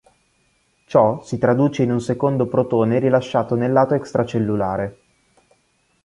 Ciò si traduce in un secondo protone rilasciato nel lato extracellulare.